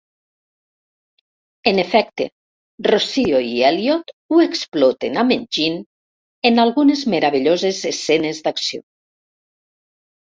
En efecte, Rossio i Elliot ho exploten amb enginy en algunes meravelloses escenes d'acció.